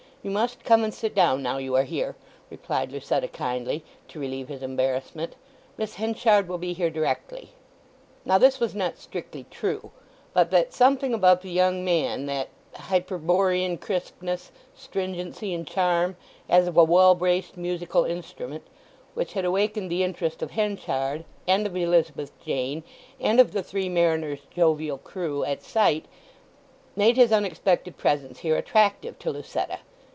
You must come and sit down now you are here," replied Lucetta kindly, to relieve his embarrassment. "Miss Henchard will be here directly." Now this was not strictly true; but that something about the young man—that hyperborean crispness, stringency, and charm, as of a well braced musical instrument, which had awakened the interest of Henchard, and of Elizabeth Jane and of the Three Mariners' jovial crew, at sight, made his unexpected presence here attractive to Lucetta.